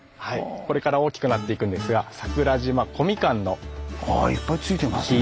これから大きくなっていくんですがあいっぱいついてますね。